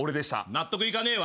納得いかねえわ。